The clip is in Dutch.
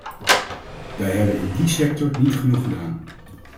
Wij hebben in die sector niet genoeg gedaan.